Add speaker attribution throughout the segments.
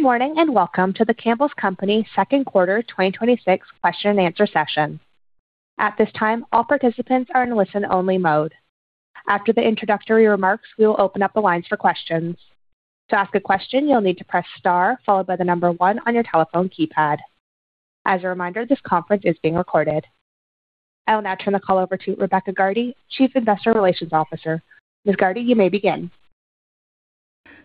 Speaker 1: Good morning, and welcome to The Campbell's Company second quarter 2026 question and answer session. At this time, all participants are in listen-only mode. After the introductory remarks, we will open up the lines for questions. To ask a question, you'll need to press star followed by the number one on your telephone keypad. As a reminder, this conference is being recorded. I will now turn the call over to Rebecca Gardy, Chief Investor Relations Officer. Ms. Gardy, you may begin.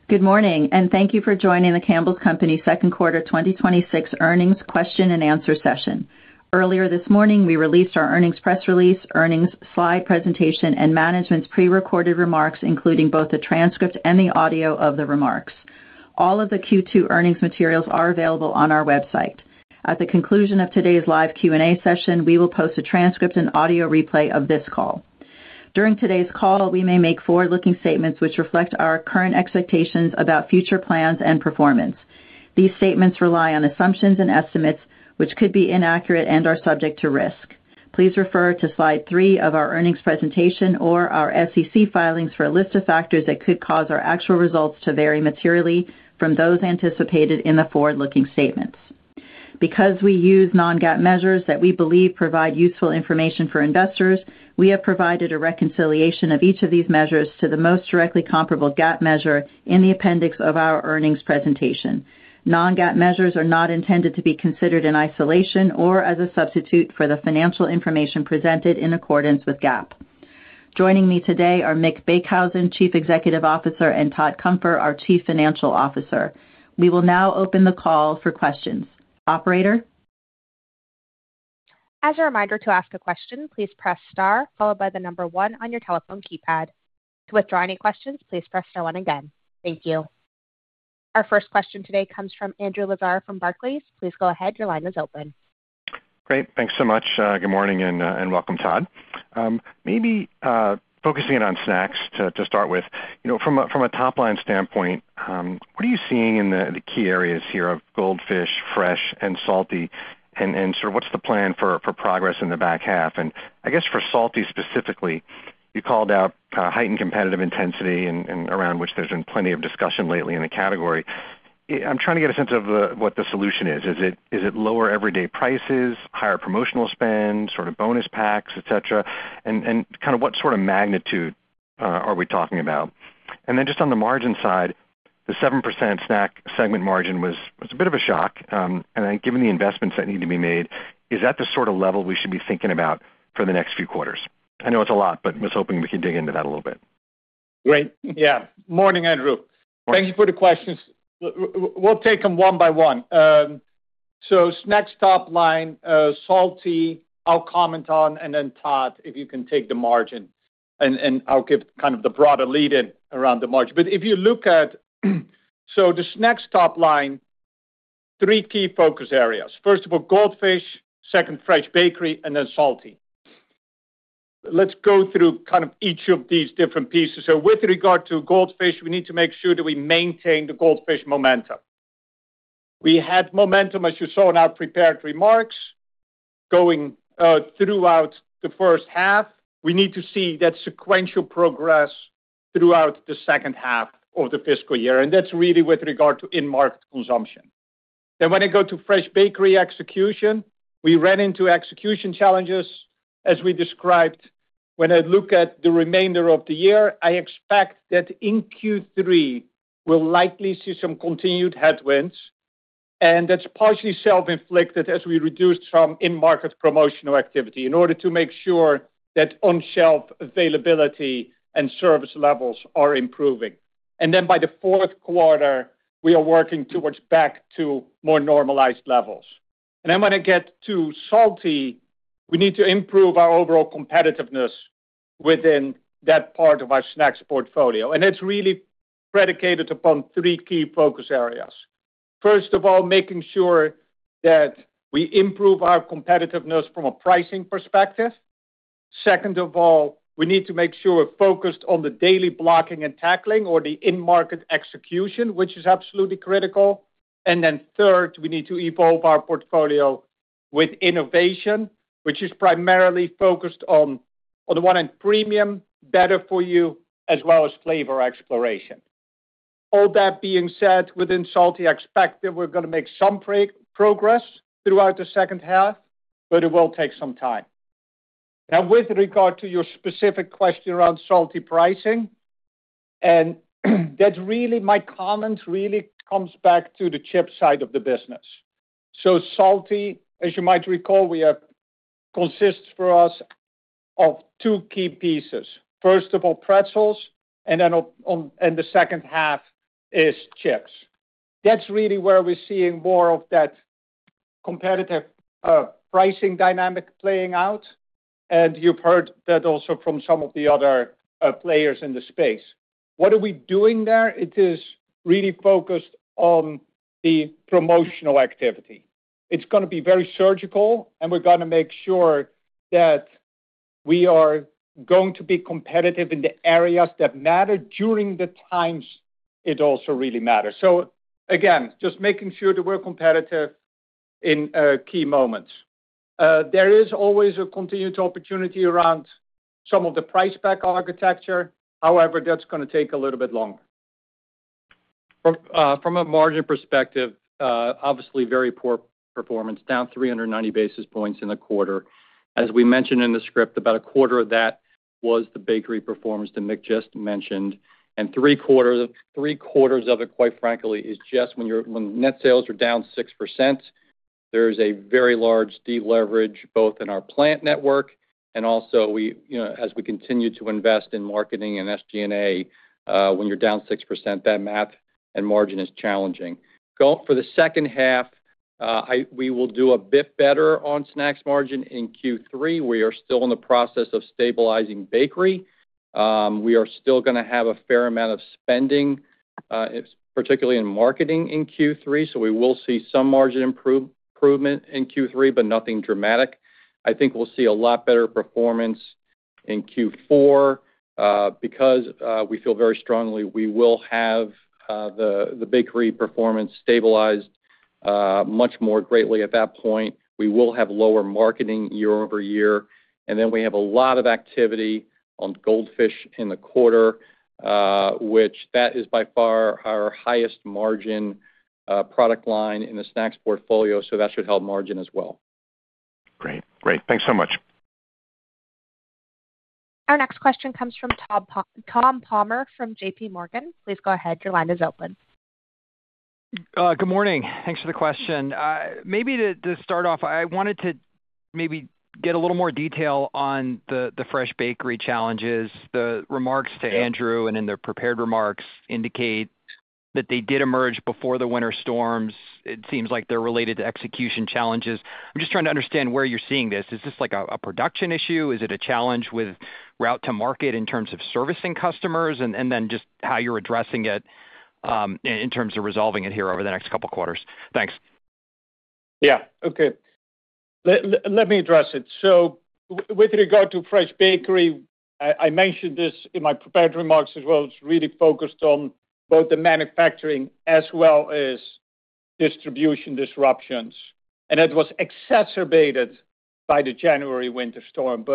Speaker 2: Good morning, and thank you for joining The Campbell's Company second quarter 2026 earnings question and answer session. Earlier this morning, we released our earnings press release, earnings slide presentation, and management's prerecorded remarks, including both the transcript and the audio of the remarks. All of the Q2 earnings materials are available on our website. At the conclusion of today's live Q&A session, we will post a transcript and audio replay of this call. During today's call, we may make forward-looking statements which reflect our current expectations about future plans and performance. These statements rely on assumptions and estimates which could be inaccurate and are subject to risk. Please refer to slide three of our earnings presentation or our SEC filings for a list of factors that could cause our actual results to vary materially from those anticipated in the forward-looking statements. Because we use non-GAAP measures that we believe provide useful information for investors, we have provided a reconciliation of each of these measures to the most directly comparable GAAP measure in the appendix of our earnings presentation. Non-GAAP measures are not intended to be considered in isolation or as a substitute for the financial information presented in accordance with GAAP. Joining me today are Mick Beekhuizen, Chief Executive Officer, and Todd Cunfer, our Chief Financial Officer. We will now open the call for questions. Operator?
Speaker 1: As a reminder to ask a question, please press star followed by the number one on your telephone keypad. To withdraw any questions, please press star one again. Thank you. Our first question today comes from Andrew Lazar from Barclays. Please go ahead. Your line is open.
Speaker 3: Great. Thanks so much. Good morning and welcome, Todd. Maybe focusing in on snacks to start with. You know, from a top-line standpoint, what are you seeing in the key areas here of Goldfish, Fresh and Salty and sort of what's the plan for progress in the back half? I guess for Salty specifically, you called out kind of heightened competitive intensity and around which there's been plenty of discussion lately in the category. I'm trying to get a sense of what the solution is. Is it lower everyday prices, higher promotional spend, sort of bonus packs, et cetera? Kind of what sort of magnitude are we talking about? Then just on the margin side, the 7% snack segment margin was a bit of a shock. Given the investments that need to be made, is that the sort of level we should be thinking about for the next few quarters? I know it's a lot, but was hoping we could dig into that a little bit.
Speaker 4: Great. Yeah. Morning, Andrew
Speaker 3: Morning.
Speaker 4: Thank you for the questions. We'll take them one by one. Snacks top line, Salty, I'll comment on, and then Todd, if you can take the margin, and I'll give kind of the broader lead in around the margin. If you look at the snacks top line, three key focus areas. First of all, Goldfish, second Fresh Bakery, and then Salty. Let's go through kind of each of these different pieces. With regard to Goldfish, we need to make sure that we maintain the Goldfish momentum. We had momentum, as you saw in our prepared remarks, going throughout the H1. We need to see that sequential progress throughout the H2 of the fiscal year, and that's really with regard to in-market consumption. Then when I go to Fresh Bakery execution, we ran into execution challenges, as we described. When I look at the remainder of the year, I expect that in Q3 we'll likely see some continued headwinds, and that's partially self-inflicted as we reduce some in-market promotional activity in order to make sure that on-shelf availability and service levels are improving. By the fourth quarter, we are working towards back to more normalized levels. When I get to Salty, we need to improve our overall competitiveness within that part of our snacks portfolio. It's really predicated upon three key focus areas. First of all, making sure that we improve our competitiveness from a pricing perspective. Second of all, we need to make sure we're focused on the daily blocking and tackling or the in-market execution, which is absolutely critical. Third, we need to evolve our portfolio with innovation, which is primarily focused on the one hand, premium, better for you, as well as flavor exploration. All that being said, within Salty, I expect that we're gonna make some progress throughout the H2, but it will take some time. Now, with regard to your specific question around Salty pricing, and that really my comment really comes back to the chip side of the business. Salty, as you might recall, consists for us of two key pieces. First of all, pretzels, and the H2 is chips. That's really where we're seeing more of that competitive pricing dynamic playing out, and you've heard that also from some of the other players in the space. What are we doing there? It is really focused on the promotional activity. It's gonna be very surgical, and we're gonna make sure that we are going to be competitive in the areas that matter during the times it also really matters. Again, just making sure that we're competitive in key moments. There is always a continued opportunity around some of the price pack architecture. However, that's gonna take a little bit longer.
Speaker 5: From a margin perspective, obviously very poor performance, down 390 basis points in the quarter. As we mentioned in the script, about a quarter of that was the bakery performance that Mick just mentioned, and three-quarters of it, quite frankly, is just when net sales are down 6%, there is a very large deleverage both in our plant network and also, you know, as we continue to invest in marketing and SG&A, when you're down 6%, that math and margin is challenging. For the H2, we will do a bit better on snacks margin in Q3. We are still in the process of stabilizing bakery. We are still gonna have a fair amount of spending. It's particularly in marketing in Q3, so we will see some margin improvement in Q3, but nothing dramatic. I think we'll see a lot better performance in Q4, because we feel very strongly we will have the bakery performance stabilized much more greatly at that point. We will have lower marketing year-over-year, and then we have a lot of activity on Goldfish in the quarter, which is by far our highest margin product line in the snacks portfolio, so that should help margin as well.
Speaker 3: Great. Thanks so much.
Speaker 1: Our next question comes from Tom Palmer from JPMorgan. Please go ahead, your line is open.
Speaker 6: Good morning. Thanks for the question. Maybe to start off, I wanted to maybe get a little more detail on the fresh bakery challenges. The remarks to Andrew and in the prepared remarks indicate that they did emerge before the winter storms. It seems like they're related to execution challenges. I'm just trying to understand where you're seeing this. Is this like a production issue? Is it a challenge with route to market in terms of servicing customers? And then just how you're addressing it, in terms of resolving it here over the next couple quarters. Thanks.
Speaker 4: Yeah. Okay. Let me address it. With regard to fresh bakery, I mentioned this in my prepared remarks as well. It's really focused on both the manufacturing as well as distribution disruptions. It was exacerbated by the January winter storm.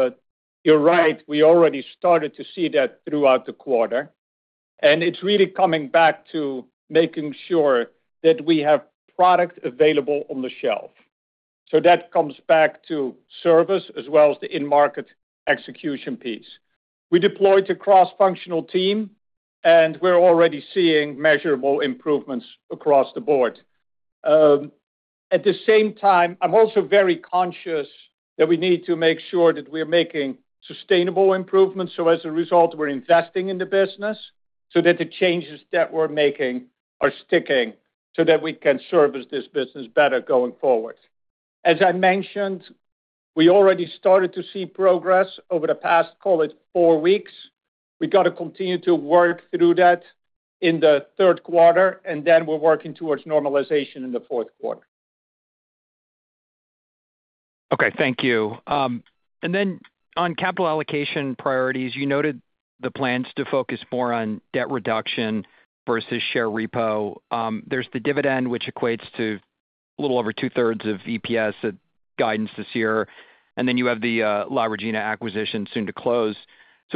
Speaker 4: You're right, we already started to see that throughout the quarter. It's really coming back to making sure that we have product available on the shelf. That comes back to service as well as the in-market execution piece. We deployed a cross-functional team, and we're already seeing measurable improvements across the board. At the same time, I'm also very conscious that we need to make sure that we're making sustainable improvements, so as a result, we're investing in the business so that the changes that we're making are sticking so that we can service this business better going forward. As I mentioned, we already started to see progress over the past, call it four weeks. We gotta continue to work through that in the third quarter, and then we're working towards normalization in the fourth quarter.
Speaker 6: Okay, thank you. On capital allocation priorities, you noted the plans to focus more on debt reduction versus share repo. There's the dividend, which equates to a little over 2/3 of EPS at guidance this year, and then you have the La Regina acquisition soon to close.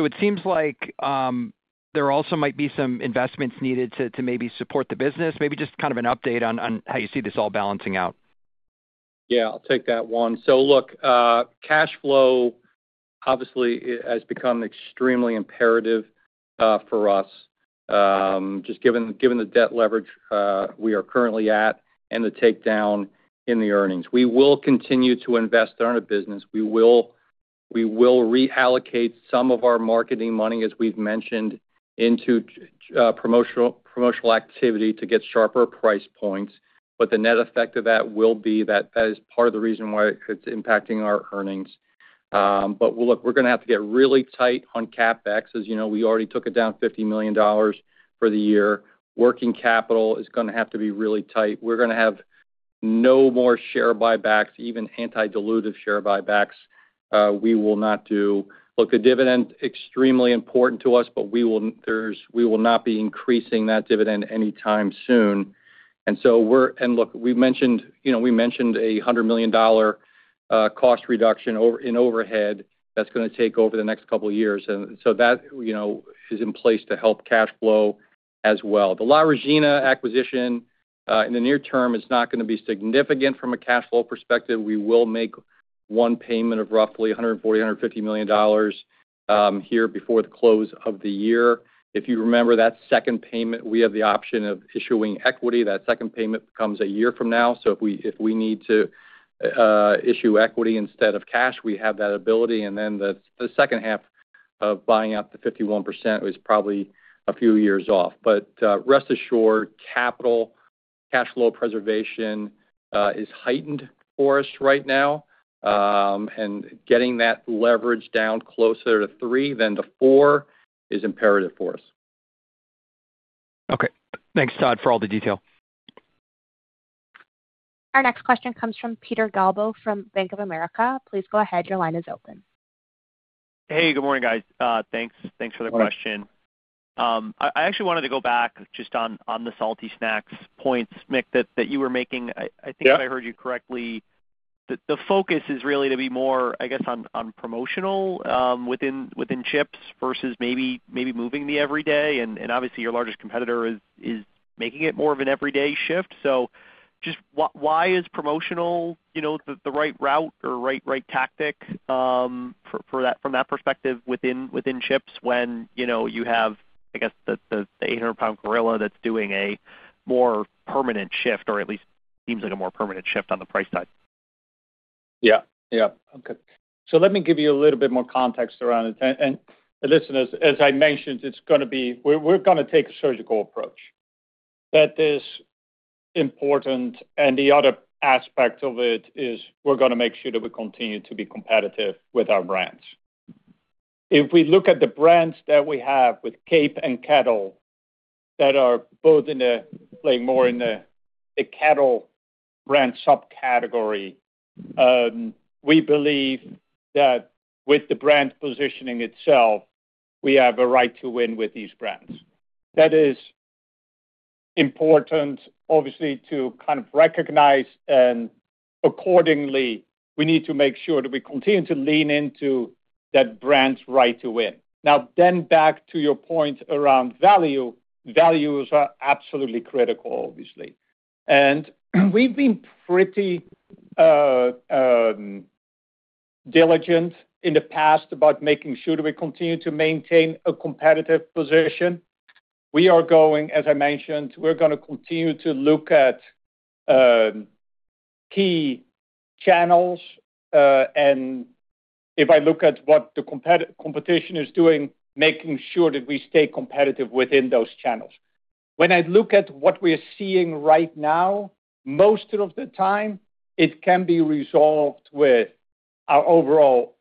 Speaker 6: It seems like there also might be some investments needed to maybe support the business. Maybe just kind of an update on how you see this all balancing out.
Speaker 5: Yeah, I'll take that one. Look, cash flow obviously has become extremely imperative for us just given the debt leverage we are currently at and the takedown in the earnings. We will continue to invest in our business. We will reallocate some of our marketing money, as we've mentioned, into promotional activity to get sharper price points. The net effect of that will be that that is part of the reason why it's impacting our earnings. Look, we're gonna have to get really tight on CapEx. As you know, we already took it down $50 million for the year. Working capital is gonna have to be really tight. We're gonna have no more share buybacks, even anti-dilutive share buybacks. We will not do. Look, the dividend, extremely important to us, but we will not be increasing that dividend anytime soon. Look, we mentioned, you know, a $100 million cost reduction in overhead that's gonna take over the next couple of years. That, you know, is in place to help cash flow as well. The La Regina acquisition in the near term is not gonna be significant from a cash flow perspective. We will make one payment of roughly $140 million-$150 million here before the close of the year. If you remember that second payment, we have the option of issuing equity. That second payment comes a year from now, so if we need to issue equity instead of cash, we have that ability. The H2 of buying out the 51% is probably a few years off. Rest assured, capital cash flow preservation is heightened for us right now. Getting that leverage down closer to three than to four is imperative for us.
Speaker 6: Okay. Thanks, Todd, for all the detail.
Speaker 1: Our next question comes from Peter Galbo from Bank of America. Please go ahead, your line is open.
Speaker 7: Hey, good morning, guys. Thanks for the question. I actually wanted to go back just on the salty snacks points, Mick, that you were making.
Speaker 4: Yeah.
Speaker 7: I think if I heard you correctly, the focus is really to be more, I guess, on promotional within chips versus maybe moving the every day, and obviously, your largest competitor is making it more of an everyday shift. Why is promotional, you know, the right route or right tactic for that from that perspective within chips when, you know, you have, I guess, the 800-pound gorilla that's doing a more permanent shift or at least seems like a more permanent shift on the price side?
Speaker 4: Yeah. Yeah. Okay. Let me give you a little bit more context around it. And listen, as I mentioned, we're gonna take a surgical approach. That is important, and the other aspect of it is we're gonna make sure that we continue to be competitive with our brands. If we look at the brands that we have with Cape Cod and Kettle Brand that are both in the playing more in the Kettle Brand subcategory, we believe that with the brand positioning itself, we have a right to win with these brands. That is important, obviously, to kind of recognize, and accordingly, we need to make sure that we continue to lean into that brand's right to win. Back to your point around value, values are absolutely critical, obviously. We've been pretty diligent in the past about making sure that we continue to maintain a competitive position. We are going, as I mentioned, we're gonna continue to look at key channels, and if I look at what the competition is doing, making sure that we stay competitive within those channels. When I look at what we're seeing right now, most of the time, it can be resolved with our overall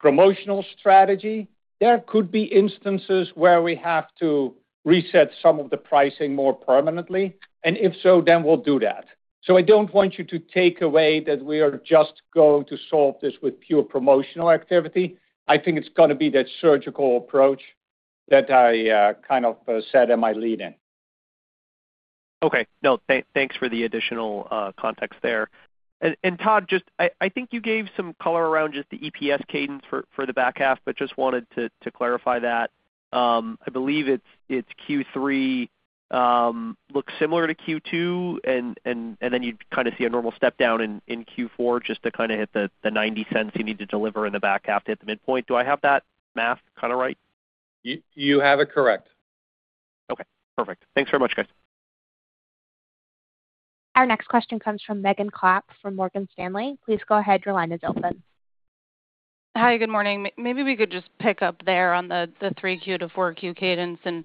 Speaker 4: promotional strategy. There could be instances where we have to reset some of the pricing more permanently, and if so, then we'll do that. I don't want you to take away that we are just going to solve this with pure promotional activity. I think it's gonna be that surgical approach that I kind of said in my lead-in.
Speaker 7: Okay. No, thanks for the additional context there. Todd, I think you gave some color around the EPS cadence for the back half, but just wanted to clarify that. I believe it's Q3 looks similar to Q2 and then you kind of see a normal step down in Q4 just to kind of hit the $0.90 you need to deliver in the back half to hit the midpoint. Do I have that math kind of right?
Speaker 4: You have it correct.
Speaker 7: Okay. Perfect. Thanks very much, guys.
Speaker 1: Our next question comes from Megan Clapp from Morgan Stanley. Please go ahead. Your line is open.
Speaker 8: Hi. Good morning. Maybe we could just pick up there on the 3Q to 4Q cadence and,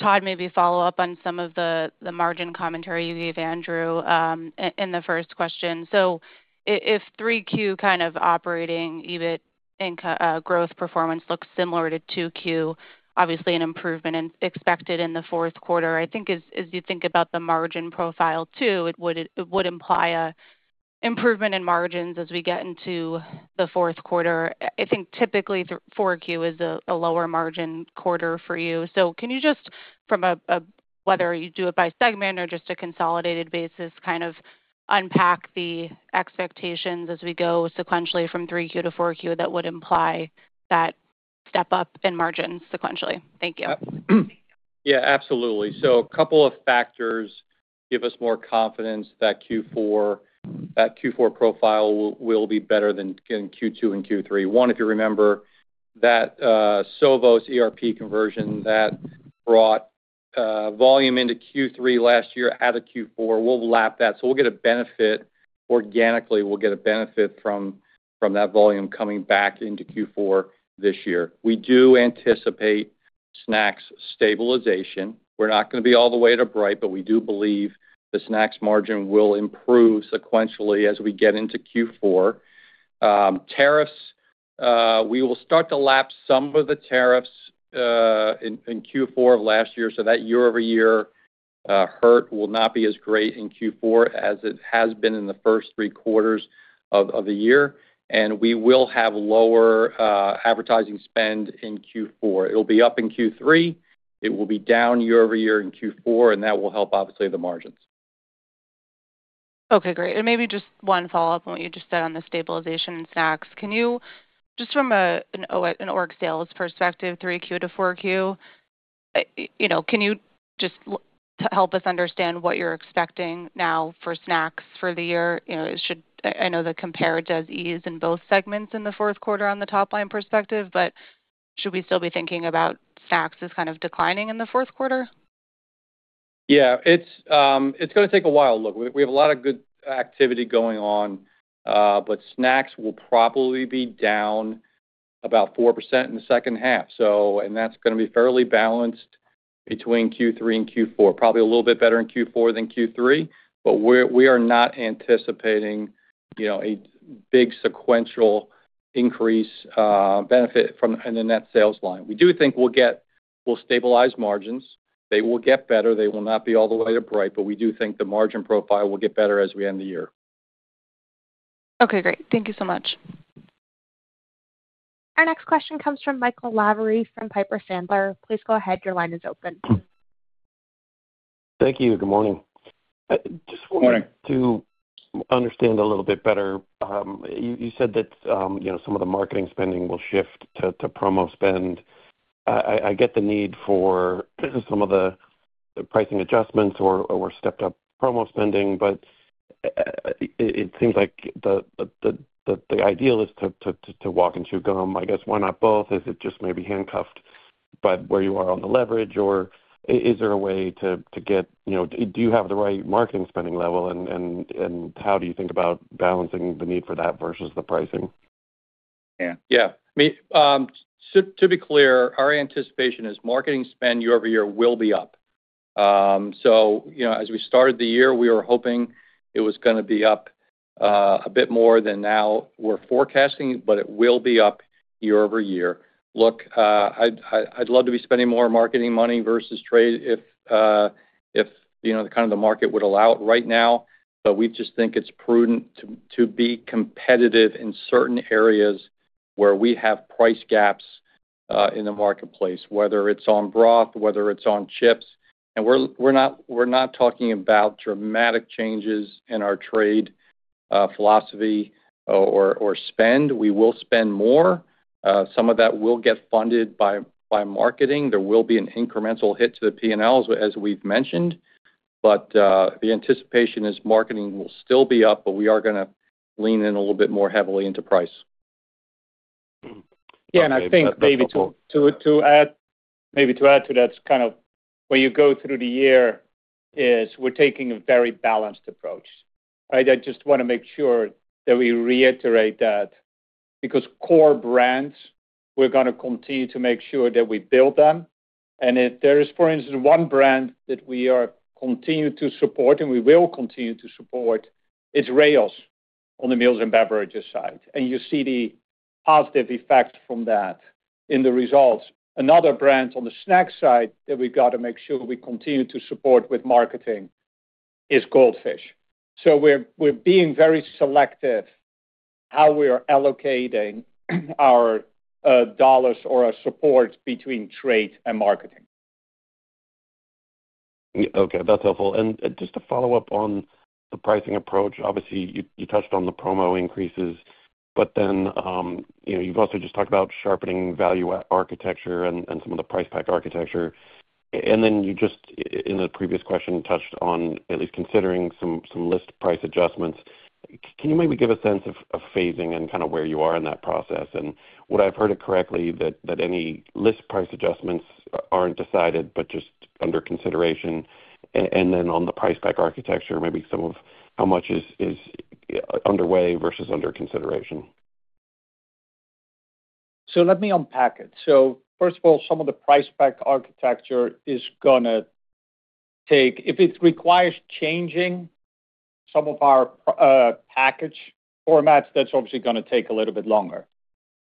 Speaker 8: Todd, maybe follow up on some of the margin commentary you gave Andrew in the first question. If 3Q kind of operating EBIT growth performance looks similar to 2Q, obviously an improvement expected in the fourth quarter. I think as you think about the margin profile too, it would imply an improvement in margins as we get into the fourth quarter. I think typically 4Q is a lower margin quarter for you. Can you just, whether you do it by segment or just a consolidated basis, kind of unpack the expectations as we go sequentially from 3Q to 4Q that would imply that step up in margins sequentially? Thank you.
Speaker 4: Yeah, absolutely. A couple of factors give us more confidence that Q4 profile will be better than in Q2 and Q3. One, if you remember that Sovos ERP conversion that brought volume into Q3 last year out of Q4, we'll lap that. We'll get a benefit organically. We'll get a benefit from that volume coming back into Q4 this year. We do anticipate snacks stabilization. We're not gonna be all the way to bright, but we do believe the snacks margin will improve sequentially as we get into Q4. Tariffs, we will start to lap some of the tariffs in Q4 of last year, so that year-over-year hurt will not be as great in Q4 as it has been in the first three quarters of the year. We will have lower advertising spend in Q4. It'll be up in Q3. It will be down year-over-year in Q4, and that will help obviously the margins.
Speaker 8: Maybe just one follow-up on what you just said on the stabilization in snacks. Can you just from an organic sales perspective, 3Q to 4Q, help us understand what you're expecting now for snacks for the year? I know the comps do ease in both segments in the fourth quarter on the top line perspective, but should we still be thinking about snacks as kind of declining in the fourth quarter?
Speaker 4: Yeah. It's gonna take a while. Look, we have a lot of good activity going on, but snacks will probably be down about 4% in the H2. That's gonna be fairly balanced between Q3 and Q4. Probably a little bit better in Q4 than Q3, but we are not anticipating, you know, a big sequential increase in the net sales line. We do think we'll get will stabilize margins. They will get better, they will not be all the way upright, but we do think the margin profile will get better as we end the year.
Speaker 8: Okay, great. Thank you so much.
Speaker 1: Our next question comes from Michael Lavery from Piper Sandler. Please go ahead. Your line is open.
Speaker 9: Thank you. Good morning.
Speaker 5: Good morning.
Speaker 9: Just wanted to understand a little bit better, you said that, you know, some of the marketing spending will shift to promo spend. I get the need for some of the pricing adjustments or stepped up promo spending, but it seems like the ideal is to walk and chew gum. I guess why not both? Is it just maybe handcuffed by where you are on the leverage or is there a way to get, you know. Do you have the right marketing spending level and how do you think about balancing the need for that versus the pricing?
Speaker 5: Yeah.
Speaker 4: Yeah. To be clear, our anticipation is marketing spend year-over-year will be up. You know, as we started the year, we were hoping it was gonna be up a bit more than now we're forecasting, but it will be up year-over-year. Look, I'd love to be spending more marketing money versus trade if you know, the kind of market would allow it right now, but we just think it's prudent to be competitive in certain areas where we have price gaps in the marketplace, whether it's on broth, whether it's on chips. We're not talking about dramatic changes in our trade philosophy or spend. We will spend more. Some of that will get funded by marketing. There will be an incremental hit to the P&L as we've mentioned, but, the anticipation is marketing will still be up, but we are gonna lean in a little bit more heavily into price.
Speaker 9: Okay. That's helpful.
Speaker 4: Yeah. I think maybe to add to that's kind of where you go through the year is we're taking a very balanced approach. Right? I just wanna make sure that we reiterate that because core brands, we're gonna continue to make sure that we build them. If there is, for instance, one brand that we continue to support and we will continue to support is Rao's on the meals and beverages side. You see the positive effect from that in the results. Another brand on the snack side that we've got to make sure we continue to support with marketing is Goldfish. We're being very selective how we are allocating our dollars or our support between trade and marketing.
Speaker 9: Okay. That's helpful. Just to follow up on the pricing approach, obviously you touched on the promo increases, but then, you know, you've also just talked about sharpening value architecture and some of the price pack architecture. You just in the previous question, touched on at least considering some list price adjustments. Can you maybe give a sense of phasing and kinda where you are in that process? Would I have heard it correctly that any list price adjustments aren't decided, but just under consideration? On the price pack architecture, maybe some of how much is, you know, underway versus under consideration.
Speaker 4: Let me unpack it. First of all, some of the price pack architecture is gonna take. If it requires changing some of our package formats, that's obviously gonna take a little bit longer.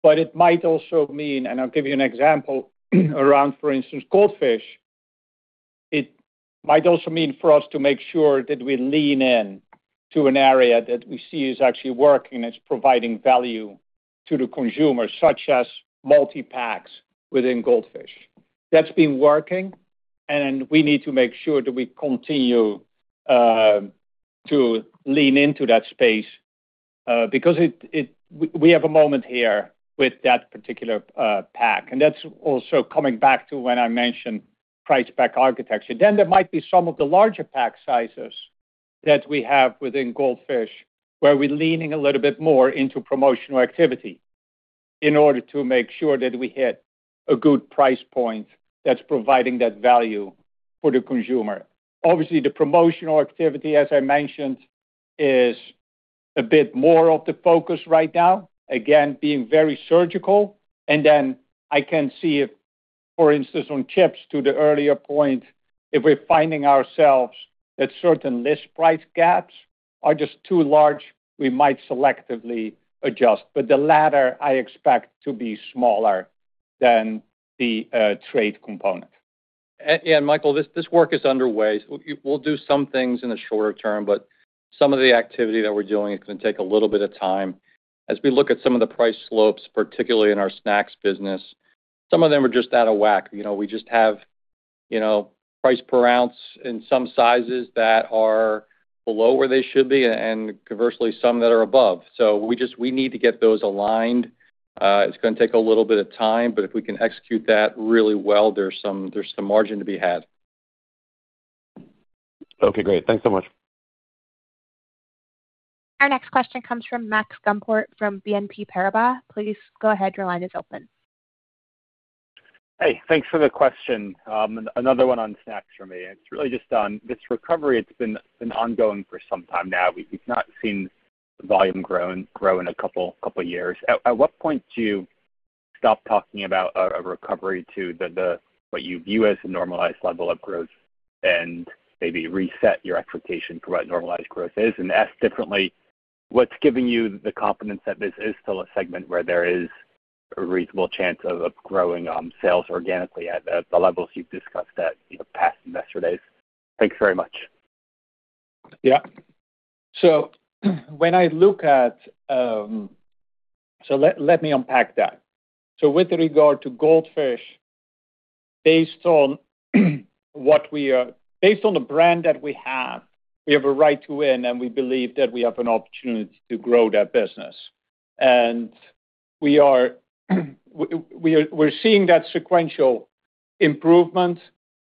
Speaker 4: But it might also mean, and I'll give you an example around, for instance, Goldfish. It might also mean for us to make sure that we lean in to an area that we see is actually working, it's providing value to the consumer, such as multi-packs within Goldfish. That's been working, and we need to make sure that we continue to lean into that space, because we have a moment here with that particular pack. That's also coming back to when I mentioned price pack architecture. There might be some of the larger pack sizes that we have within Goldfish, where we're leaning a little bit more into promotional activity in order to make sure that we hit a good price point that's providing that value for the consumer. Obviously, the promotional activity, as I mentioned, is a bit more of the focus right now, again, being very surgical. I can see if, for instance, on chips to the earlier point, if we're finding ourselves that certain list price gaps are just too large, we might selectively adjust. The latter I expect to be smaller than the trade component.
Speaker 5: Michael, this work is underway. We'll do some things in the shorter term, but some of the activity that we're doing is gonna take a little bit of time. As we look at some of the price points, particularly in our snacks business, some of them are just out of whack. You know, we just have, you know, price per ounce in some sizes that are below where they should be, and conversely, some that are above. We just need to get those aligned. It's gonna take a little bit of time, but if we can execute that really well, there's some margin to be had.
Speaker 9: Okay, great. Thanks so much.
Speaker 1: Our next question comes from Max Gumport from BNP Paribas. Please go ahead. Your line is open.
Speaker 10: Hey, thanks for the question. Another one on snacks for me. It's really just on this recovery, it's been ongoing for some time now. We've not seen the volume grow in a couple years. At what point do you stop talking about a recovery to the what you view as a normalized level of growth and maybe reset your expectation for what normalized growth is? Asked differently, what's giving you the confidence that this is still a segment where there is a reasonable chance of growing sales organically at the levels you've discussed at, you know, past investor days? Thank you very much.
Speaker 4: Yeah. Let me unpack that. With regard to Goldfish, based on the brand that we have, we have a right to win, and we believe that we have an opportunity to grow that business. We're seeing that sequential improvement.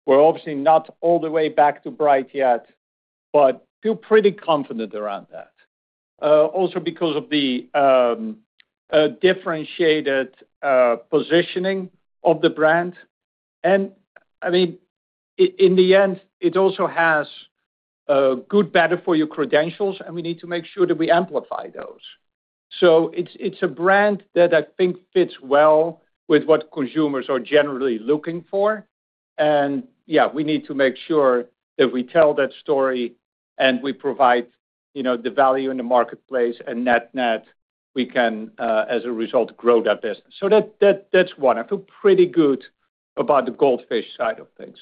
Speaker 4: We're obviously not all the way back to bright yet, but feel pretty confident around that. Also because of the differentiated positioning of the brand. I mean, in the end, it also has good better-for-you credentials, and we need to make sure that we amplify those. It's a brand that I think fits well with what consumers are generally looking for. Yeah, we need to make sure that we tell that story and we provide, you know, the value in the marketplace and net-net, we can as a result, grow that business. That's one. I feel pretty good about the Goldfish side of things.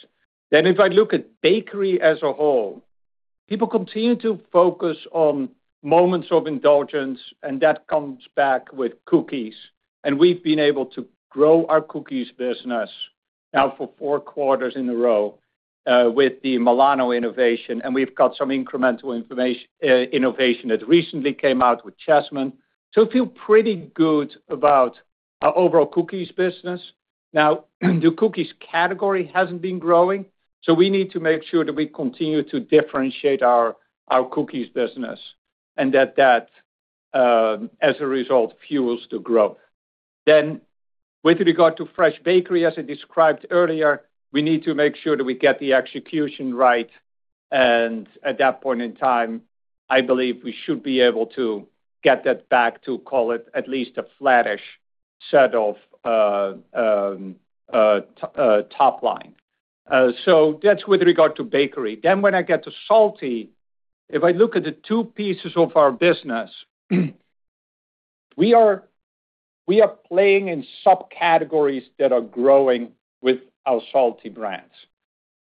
Speaker 4: If I look at bakery as a whole, people continue to focus on moments of indulgence, and that comes back with cookies. We've been able to grow our cookies business now for four quarters in a row with the Milano innovation, and we've got some incremental innovation that recently came out with Chessmen. I feel pretty good about our overall cookies business. Now, the cookies category hasn't been growing, so we need to make sure that we continue to differentiate our cookies business and that as a result, fuels the growth. With regard to fresh bakery, as I described earlier, we need to make sure that we get the execution right, and at that point in time, I believe we should be able to get that back to call it at least a flattish set of a top line. That's with regard to bakery. When I get to salty, if I look at the two pieces of our business, we are playing in subcategories that are growing with our salty brands.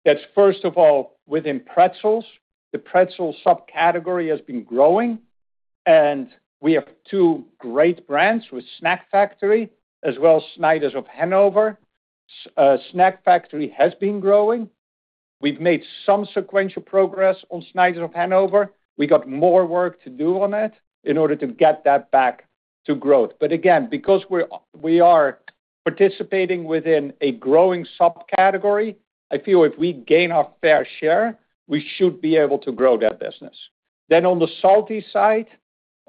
Speaker 4: That's first of all, within pretzels. The pretzel subcategory has been growing, and we have two great brands with Snack Factory, as well as Snyder's of Hanover. Snack Factory has been growing. We've made some sequential progress on Snyder's of Hanover. We got more work to do on it in order to get that back to growth. Again, because we're participating within a growing subcategory, I feel if we gain our fair share, we should be able to grow that business. On the salty side,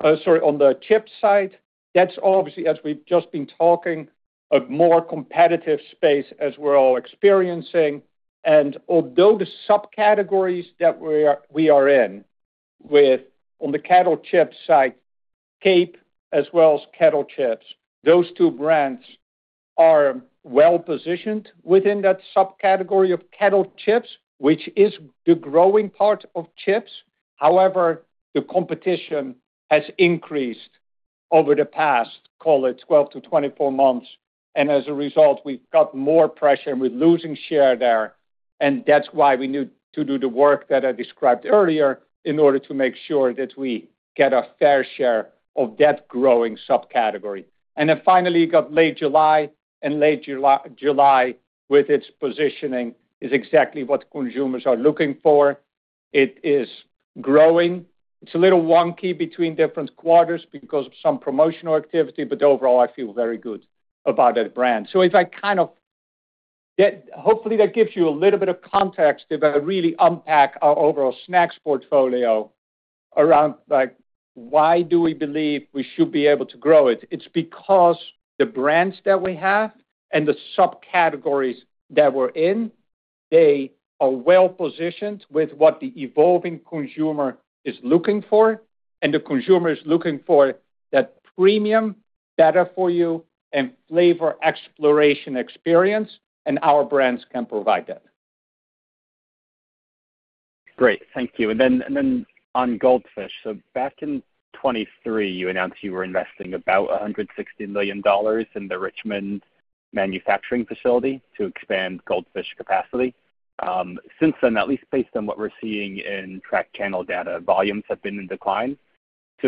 Speaker 4: on the chip side, that's obviously, as we've just been talking, a more competitive space as we're all experiencing. Although the subcategories that we are in with on the kettle chip side, Cape Cod as well as Kettle Brand, those two brands are well-positioned within that subcategory of kettle chips, which is the growing part of chips. However, the competition has increased over the past, call it 12-24 months, and as a result, we've got more pressure and we're losing share there, and that's why we need to do the work that I described earlier in order to make sure that we get a fair share of that growing subcategory. Finally, you got Late July, and Late July with its positioning is exactly what consumers are looking for. It is growing. It's a little wonky between different quarters because of some promotional activity, but overall, I feel very good about that brand. Hopefully, that gives you a little bit of context if I really unpack our overall snacks portfolio around, like, why do we believe we should be able to grow it? It's because the brands that we have and the subcategories that we're in, they are well-positioned with what the evolving consumer is looking for, and the consumer is looking for that premium, better for you, and flavor exploration experience, and our brands can provide that.
Speaker 10: Great. Thank you. On Goldfish, back in 2023, you announced you were investing about $160 million in the Richmond manufacturing facility to expand Goldfish capacity. Since then, at least based on what we're seeing in tracked channel data, volumes have been in decline.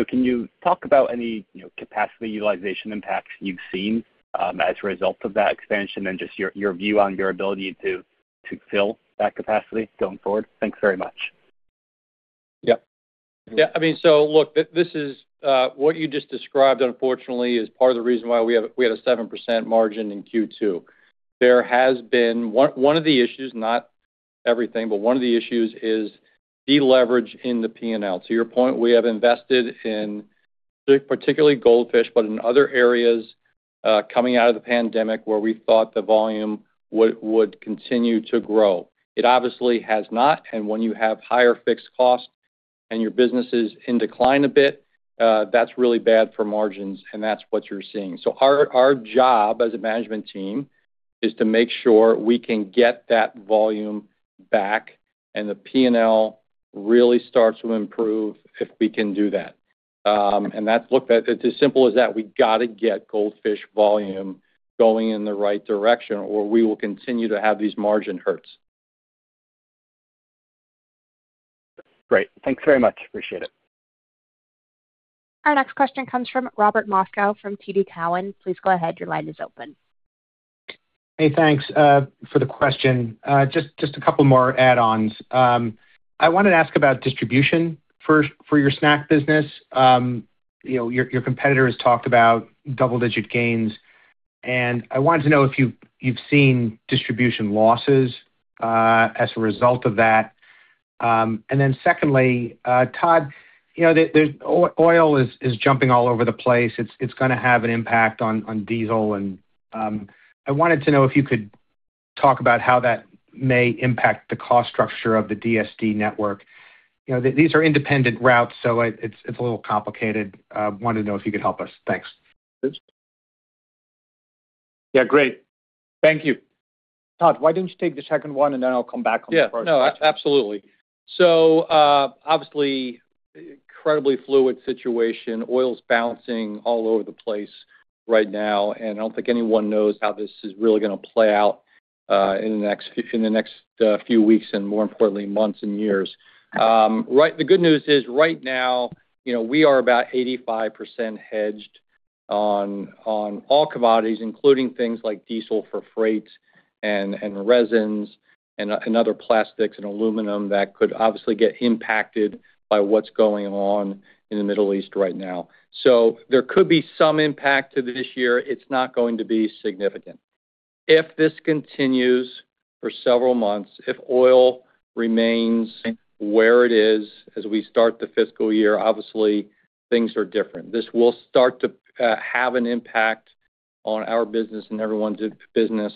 Speaker 10: Can you talk about any, you know, capacity utilization impacts you've seen, as a result of that expansion and just your view on your ability to fill that capacity going forward? Thanks very much.
Speaker 4: Yeah. Yeah. I mean, so look, this is what you just described, unfortunately, is part of the reason why we had a 7% margin in Q2. There has been one of the issues, not everything, but one of the issues is deleverage in the P&L. To your point, we have invested in particularly Goldfish, but in other areas, coming out of the pandemic where we thought the volume would continue to grow. It obviously has not, and when you have higher fixed costs and your business is in decline a bit, that's really bad for margins, and that's what you're seeing. Our job as a management team is to make sure we can get that volume back and the P&L really starts to improve if we can do that. It's as simple as that. We gotta get Goldfish volume going in the right direction, or we will continue to have these margin hurts.
Speaker 10: Great. Thanks very much. Appreciate it.
Speaker 1: Our next question comes from Robert Moskow from TD Cowen. Please go ahead. Your line is open.
Speaker 11: Hey, thanks for the question. Just a couple more add-ons. I wanted to ask about distribution first for your snack business. You know, your competitor has talked about double-digit gains, and I wanted to know if you've seen distribution losses as a result of that. Secondly, Todd, you know, oil is jumping all over the place. It's gonna have an impact on diesel and I wanted to know if you could talk about how that may impact the cost structure of the DSD network. You know, these are independent routes, so it's a little complicated. Wanted to know if you could help us. Thanks.
Speaker 4: Yeah, great. Thank you. Todd, why don't you take the second one, and then I'll come back on the first one.
Speaker 5: Yeah. No, absolutely. Obviously incredibly fluid situation. Oil's bouncing all over the place right now, and I don't think anyone knows how this is really gonna play out in the next few weeks and more importantly, months and years. Right, the good news is right now, you know, we are about 85% hedged on all commodities, including things like diesel for freight and resins and other plastics and aluminum that could obviously get impacted by what's going on in the Middle East right now. There could be some impact to this year. It's not going to be significant. If this continues for several months, if oil remains where it is as we start the fiscal year, obviously things are different. This will start to have an impact on our business and everyone's business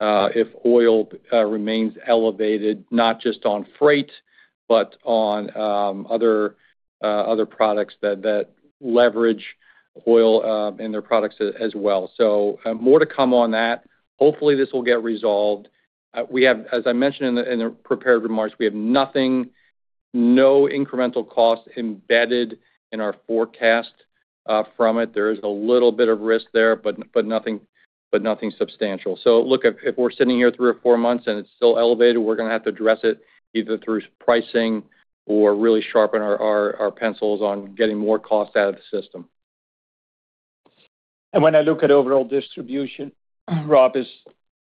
Speaker 5: if oil remains elevated, not just on freight, but on other products that leverage oil in their products as well. More to come on that. Hopefully, this will get resolved. As I mentioned in the prepared remarks, we have no incremental costs embedded in our forecast from it. There is a little bit of risk there, but nothing substantial. Look, if we're sitting here three or four months and it's still elevated, we're gonna have to address it either through pricing or really sharpen our pencils on getting more cost out of the system.
Speaker 4: When I look at overall distribution, Rob,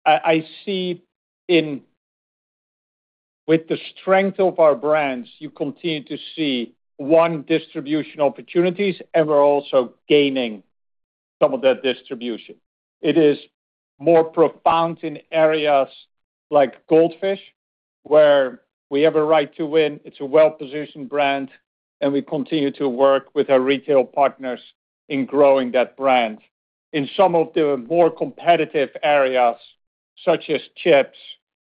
Speaker 4: I see with the strength of our brands, you continue to see, one, distribution opportunities, and we're also gaining some of that distribution. It is more profound in areas like Goldfish, where we have a right to win. It's a well-positioned brand, and we continue to work with our retail partners in growing that brand. In some of the more competitive areas, such as chips,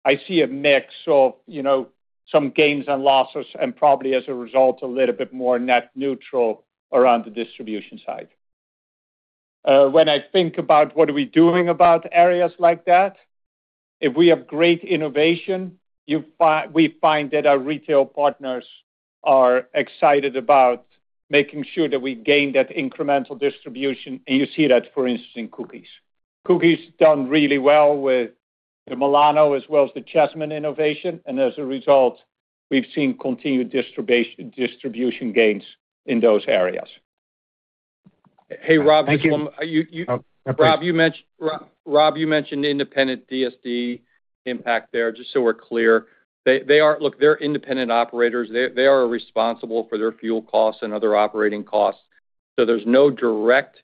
Speaker 4: I see a mix of, you know, some gains and losses and probably as a result, a little bit more net neutral around the distribution side. When I think about what are we doing about areas like that, if we have great innovation, we find that our retail partners are excited about making sure that we gain that incremental distribution, and you see that, for instance, in cookies. Cookies done really well with the Milano as well as the Chessmen innovation, and as a result, we've seen continued distribution gains in those areas.
Speaker 5: Hey, Rob.
Speaker 4: Thank you.
Speaker 5: You, you
Speaker 4: Oh, go please.
Speaker 5: Rob, you mentioned independent DSD impact there, just so we're clear. Look, they're independent operators. They are responsible for their fuel costs and other operating costs. There's no direct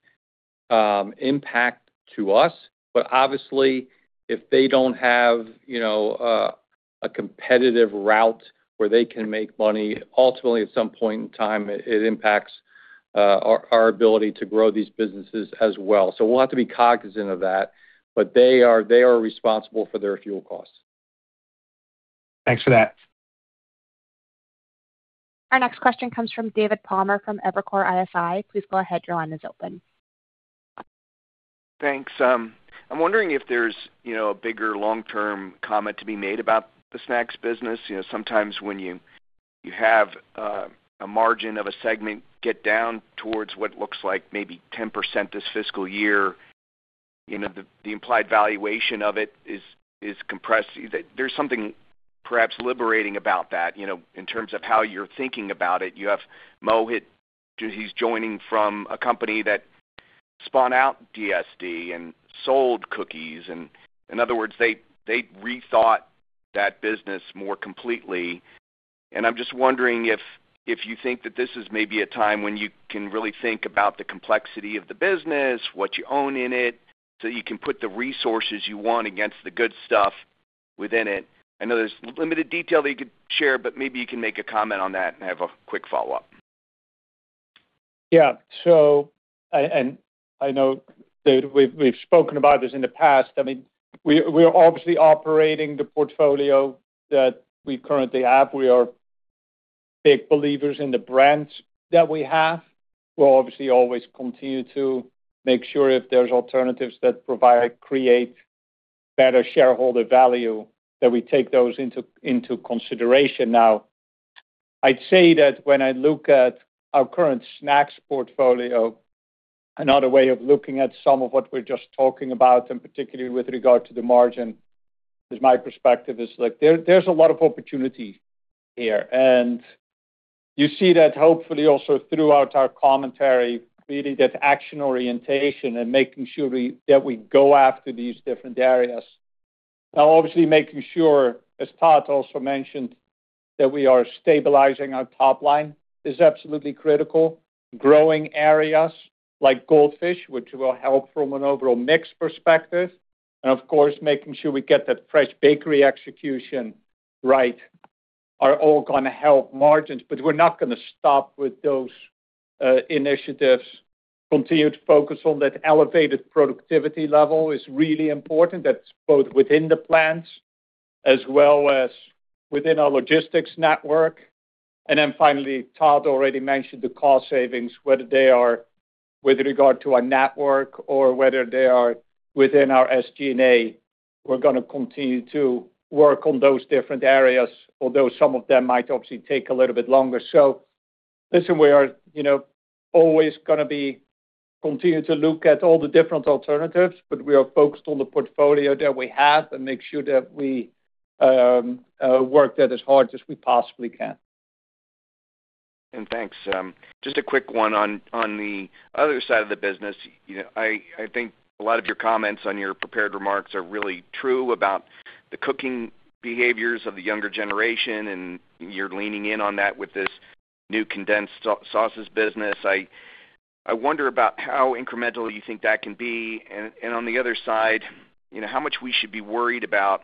Speaker 5: impact to us. But obviously, if they don't have a competitive route where they can make money, ultimately, at some point in time, it impacts our ability to grow these businesses as well. We'll have to be cognizant of that, but they are responsible for their fuel costs.
Speaker 11: Thanks for that.
Speaker 1: Our next question comes from David Palmer from Evercore ISI. Please go ahead, your line is open.
Speaker 12: Thanks. I'm wondering if there's, you know, a bigger long-term comment to be made about the snacks business. You know, sometimes when you have a margin of a segment get down towards what looks like maybe 10% this fiscal year, you know, the implied valuation of it is compressed. There's something perhaps liberating about that, you know, in terms of how you're thinking about it. You have Mohit, he's joining from a company that spun out DSD and sold cookies, and in other words, they rethought that business more completely. I'm just wondering if you think that this is maybe a time when you can really think about the complexity of the business, what you own in it, so you can put the resources you want against the good stuff within it.
Speaker 5: I know there's limited detail that you could share, but maybe you can make a comment on that and have a quick follow-up.
Speaker 4: Yeah. I know, David, we've spoken about this in the past. I mean, we are obviously operating the portfolio that we currently have. We are big believers in the brands that we have. We'll obviously always continue to make sure if there's alternatives that provide, create better shareholder value, that we take those into consideration. Now, I'd say that when I look at our current snacks portfolio, another way of looking at some of what we're just talking about, and particularly with regard to the margin, is my perspective is like there's a lot of opportunity here. You see that hopefully also throughout our commentary, really that action orientation and making sure that we go after these different areas. Now, obviously, making sure, as Todd also mentioned, that we are stabilizing our top line is absolutely critical. Growing areas like Goldfish, which will help from an overall mix perspective. Of course, making sure we get that fresh bakery execution right, are all gonna help margins. We're not gonna stop with those initiatives. Continue to focus on that elevated productivity level is really important. That's both within the plants as well as within our logistics network. Then finally, Todd already mentioned the cost savings, whether they are with regard to our network or whether they are within our SG&A, we're gonna continue to work on those different areas, although some of them might obviously take a little bit longer. Listen, we are, you know, always gonna be continuing to look at all the different alternatives, but we are focused on the portfolio that we have and make sure that we, work that as hard as we possibly can.
Speaker 12: Thanks. Just a quick one on the other side of the business. You know, I think a lot of your comments on your prepared remarks are really true about the cooking behaviors of the younger generation, and you're leaning in on that with this new condensed sauces business. I wonder about how incremental you think that can be. On the other side, you know, how much we should be worried about,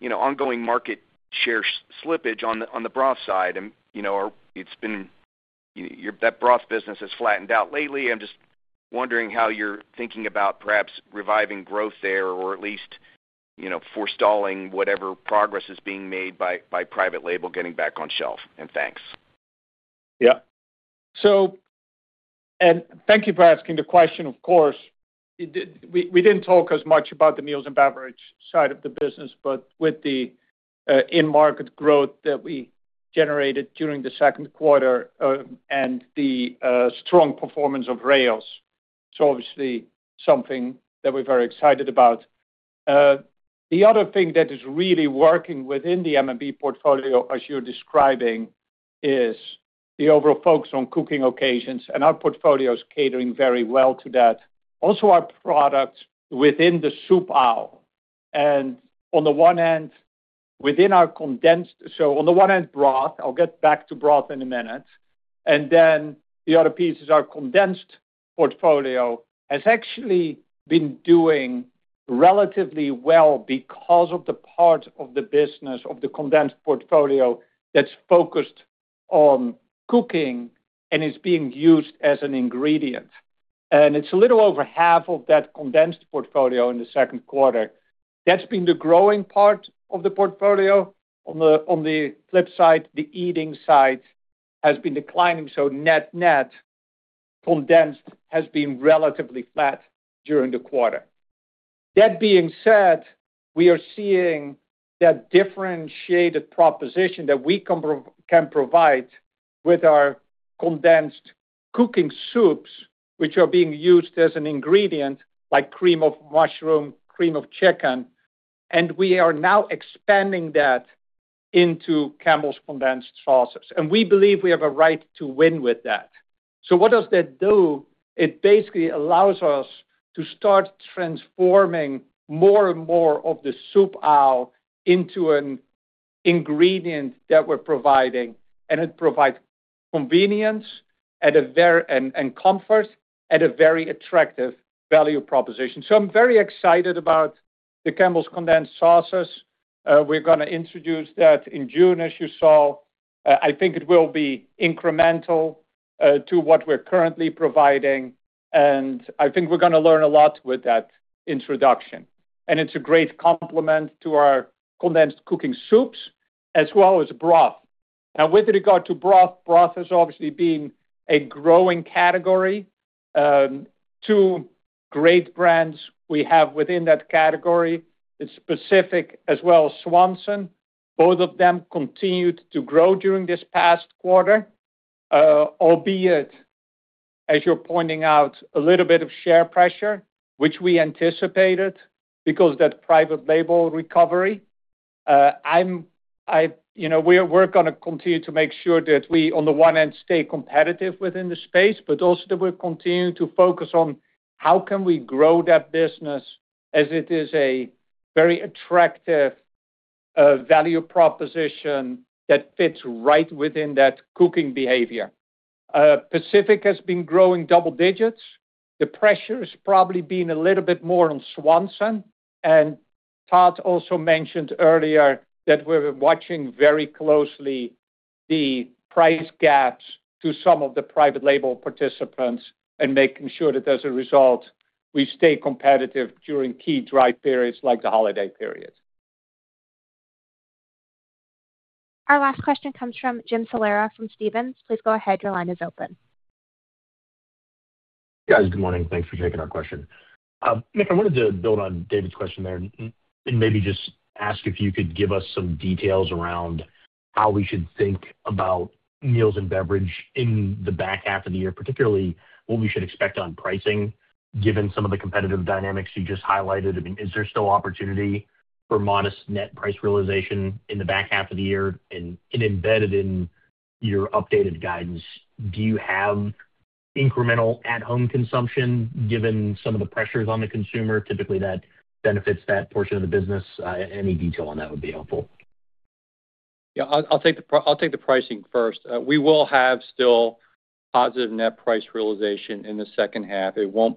Speaker 12: you know, ongoing market share slippage on the broth side. You know, it's been. That broth business has flattened out lately. I'm just wondering how you're thinking about perhaps reviving growth there, or at least, you know, forestalling whatever progress is being made by private label getting back on shelf. Thanks.
Speaker 4: Yeah. Thank you for asking the question, of course. We didn't talk as much about the meals and beverages side of the business, but with the in-market growth that we generated during the second quarter, and the strong performance of Rao's, it's obviously something that we're very excited about. The other thing that is really working within the M&B portfolio, as you're describing, is the overall focus on cooking occasions, and our portfolio is catering very well to that. Also, our products within the soup aisle. On the one hand, broth, I'll get back to broth in a minute. Then the other piece is our condensed portfolio has actually been doing relatively well because of the part of the business of the condensed portfolio that's focused on cooking and is being used as an ingredient. It's a little over half of that condensed portfolio in the second quarter. That's been the growing part of the portfolio. On the flip side, the eating side has been declining, so net-net condensed has been relatively flat during the quarter. That being said, we are seeing that differentiated proposition that we can can provide with our condensed cooking soups, which are being used as an ingredient like cream of mushroom, cream of chicken, and we are now expanding that into Campbell's condensed sauces, and we believe we have a right to win with that. What does that do? It basically allows us to start transforming more and more of the soup aisle into an ingredient that we're providing, and it provides convenience and comfort at a very attractive value proposition. I'm very excited about the Campbell's Condensed Sauces. We're gonna introduce that in June, as you saw. I think it will be incremental to what we're currently providing, and I think we're gonna learn a lot with that introduction. It's a great complement to our condensed cooking soups as well as broth. Now, with regard to broth has obviously been a growing category. Two great brands we have within that category. It's Pacific Foods as well as Swanson. Both of them continued to grow during this past quarter. Albeit, as you're pointing out, a little bit of share pressure, which we anticipated because of that private label recovery. I'm. You know, we're gonna continue to make sure that we, on the one hand, stay competitive within the space, but also that we're continuing to focus on how can we grow that business as it is a very attractive value proposition that fits right within that cooking behavior. Pacific has been growing double digits. The pressure's probably been a little bit more on Swanson. Todd also mentioned earlier that we're watching very closely the price gaps to some of the private label participants and making sure that as a result, we stay competitive during key dry periods like the holiday period.
Speaker 1: Our last question comes from Jim Salera from Stephens. Please go ahead. Your line is open.
Speaker 13: Guys, good morning. Thanks for taking our question. Nick, I wanted to build on David's question there and maybe just ask if you could give us some details around how we should think about meals and beverage in the back half of the year, particularly what we should expect on pricing, given some of the competitive dynamics you just highlighted. I mean, is there still opportunity for modest net price realization in the back half of the year? Embedded in your updated guidance, do you have incremental at-home consumption, given some of the pressures on the consumer? Typically, that benefits that portion of the business. Any detail on that would be helpful.
Speaker 5: Yeah. I'll take the pricing first. We will have still positive net price realization in the H2.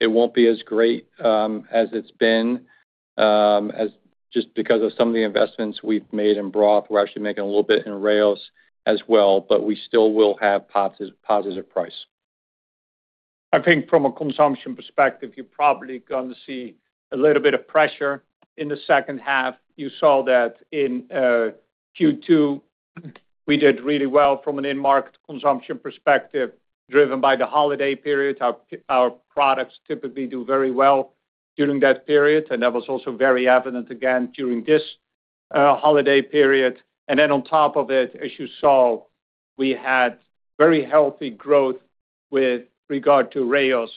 Speaker 5: It won't be as great as it's been, just because of some of the investments we've made in broth. We're actually making a little bit in Rao's as well, but we still will have positive price.
Speaker 4: I think from a consumption perspective, you're probably gonna see a little bit of pressure in the H2. You saw that in Q2, we did really well from an in-market consumption perspective, driven by the holiday period. Our products typically do very well during that period, and that was also very evident again during this holiday period. On top of it, as you saw, we had very healthy growth with regard to Rao's.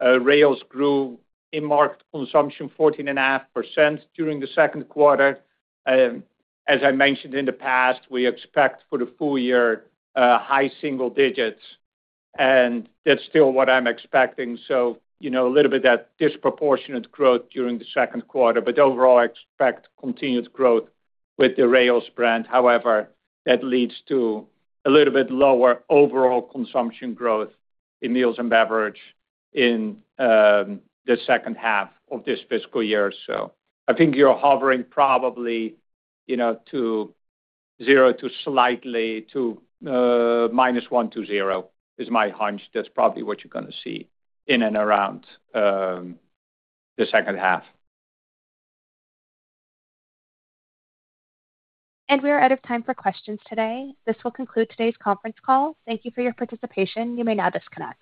Speaker 4: Rao's grew in-market consumption 14.5% during the second quarter. As I mentioned in the past, we expect for the full year high single digits, and that's still what I'm expecting. You know, a little bit of that disproportionate growth during the second quarter. Overall, I expect continued growth with the Rao's brand. However, that leads to a little bit lower overall consumption growth in meals and beverages in the H2 of this fiscal year. I think you're hovering probably, you know, to 0% to slightly to -1%-0% is my hunch. That's probably what you're gonna see in and around the H2.
Speaker 1: We are out of time for questions today. This will conclude today's conference call. Thank you for your participation. You may now disconnect.